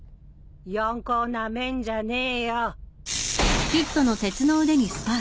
四皇なめんじゃねえよ。